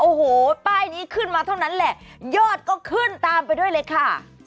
โอ้โหป้ายนี้ขึ้นมาเท่านั้นแหละยอดก็ขึ้นตามไปด้วยเลยค่ะ